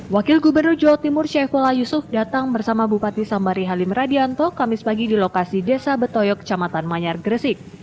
wakil gubernur jawa timur syaifullah yusuf datang bersama bupati sambari halim radianto kamis pagi di lokasi desa betoyok kecamatan manyar gresik